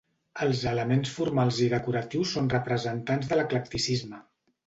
Els elements formals i decoratius són representants de l'eclecticisme.